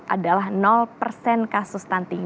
adalah kasus stunting